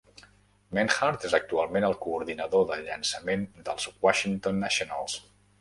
Menhart és actualment el coordinador de llançament dels Washington Nationals.